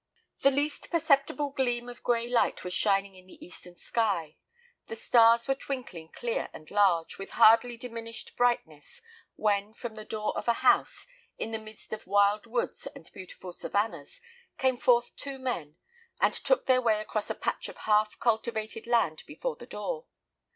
The least perceptible gleam of gray light was shining in the eastern sky; the stars were twinkling clear and large, with hardly diminished brightness, when, from the door of a house, in the midst of wild woods and beautiful savannas, came forth two men, and took their way across a patch of half cultivated land before the door.